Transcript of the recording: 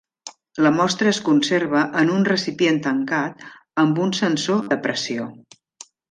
La mostra es conserva en un recipient tancat amb un sensor de pressió.